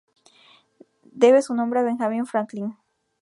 Debe su nombre a Benjamin Franklin.